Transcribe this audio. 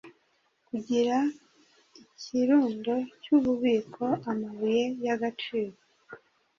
Kugira ikirundo cyububiko-amabuye yagaciro